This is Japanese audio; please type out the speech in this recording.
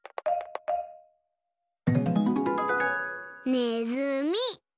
ねずみ。